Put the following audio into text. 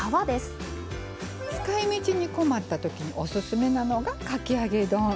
使いみちに困った時おすすめなのが「かき揚げ丼」。